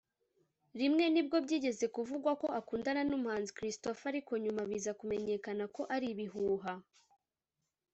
rimwe nibwo byigeze kuvugwa ko akundana n’umuhanzi Christopher ariko nyuma biza kumenyekana ko ari ibihuha